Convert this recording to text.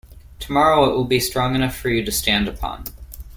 Tomorrow it will be strong enough for you to stand upon.